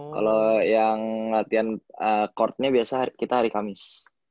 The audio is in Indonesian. kalau yang latihan courtnya biasa kita hari kamis